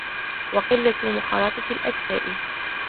وَقِلَّةُ مُخَالَطَةِ الْأَكْفَاءِ